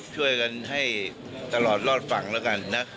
ช่วยกันให้ตลอดรอดฝั่งแล้วกันนะ